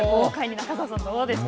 中澤さん、どうですか。